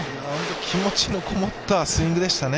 気持ちのこもったスイングでしたね。